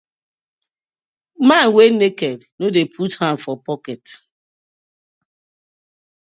Man wey naked no dey put hand for pocket:.